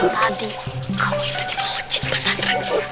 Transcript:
tadi kamu yang tadi mau cip pasang transil